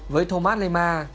với thomas leymar